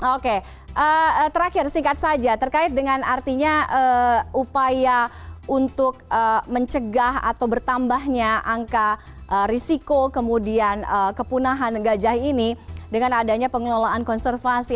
oke terakhir singkat saja terkait dengan artinya upaya untuk mencegah atau bertambahnya angka risiko kemudian kepunahan gajah ini dengan adanya pengelolaan konservasi